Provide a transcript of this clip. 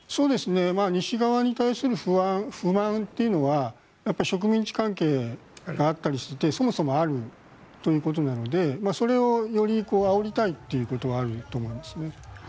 西側に対する不安、不満というのは植民地関係があったりしてそもそもあるということなのでそれを、よりあおりたいということはあると思います。